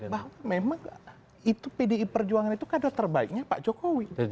bahwa memang itu pdi perjuangan itu kader terbaiknya pak jokowi